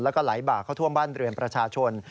แล้วก็ไหลบากเข้าท่วมบ้านเรือนประชาชน